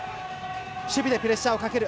守備でプレッシャーをかける。